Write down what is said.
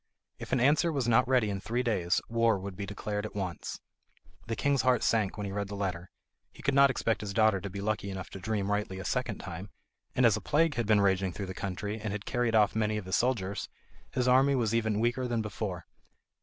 If an answer was not ready in three days, war would be declared at once. The king's heart sank when he read the letter. He could not expect his daughter to be lucky enough to dream rightly a second time, and as a plague had been raging through the country, and had carried off many of his soldiers, his army was even weaker than before.